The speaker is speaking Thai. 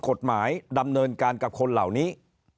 กฎหมายดำเนินการกับคนเหล่านี้